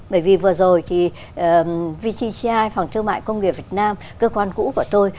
bởi vì vừa rồi thì vcci phòng thương mại công nghiệp việt nam cơ quan cũ của tôi